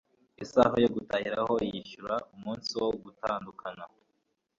Isaha yo gutahiraho yishyura umunsi wo gutandukana,